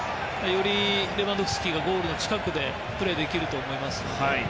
よりレバンドフスキがゴール近くでプレーできると思います。